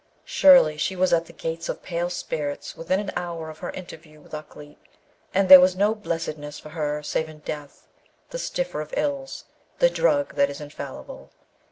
Surely she was at the gates of pale spirits within an hour of her interview with Ukleet, and there was no blessedness for her save in death, the stiffer of ills, the drug that is infallible.